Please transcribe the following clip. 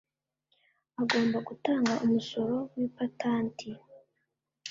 agomba gutanga umusoro w'ipatanti